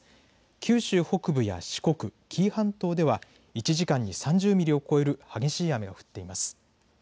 九州北部や四国紀伊半島では１時間に３０ミリを超える激しい雨が降っています。